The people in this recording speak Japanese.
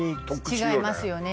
うん違いますよね